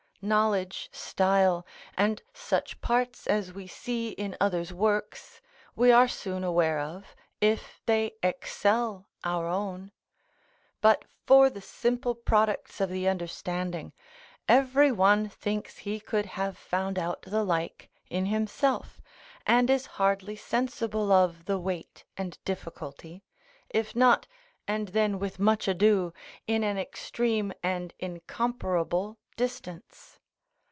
Knowledge, style, and such parts as we see in others' works, we are soon aware of, if they excel our own: but for the simple products of the understanding, every one thinks he could have found out the like in himself, and is hardly sensible of the weight and difficulty, if not (and then with much ado) in an extreme and incomparable distance.